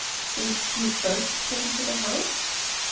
" Since he fii'st came to the house